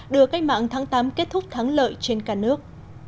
đưa cách mạng tháng tám kết thúc thắng lợi trên cả nước